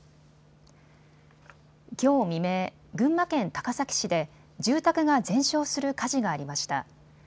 きょう未明、群馬県高崎市で住宅が全焼する火事がありました。